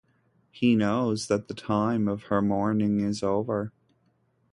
He knows that the time of her mourning is over.